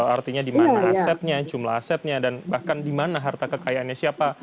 artinya di mana asetnya jumlah asetnya dan bahkan di mana harta kekayaannya siapa